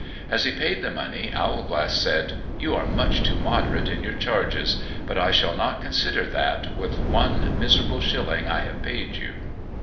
As he paid the money, Owlglass said, "You are much too moderate in your charges, but I shall not consider that with one miserable shilling I have paid you.